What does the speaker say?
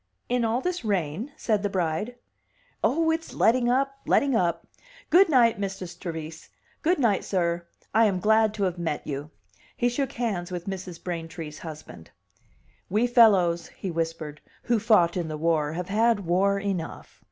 "In all this rain?" said the bride. "Oh, it's letting up, letting up! Good night, Mistress Trevise. Good night, sir; I am glad to have met you." He shook hands with Mrs. Braintree's husband. "We fellows," he whispered, "who fought in the war have had war enough."